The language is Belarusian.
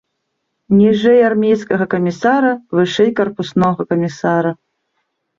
Ніжэй армейскага камісара, вышэй карпуснога камісара.